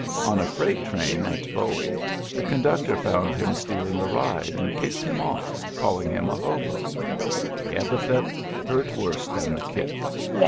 On a freight train at Bowie the conductor found him stealing a ride, and kicked him ofif, calling him a hobo. The epithet hurt worse than the kick.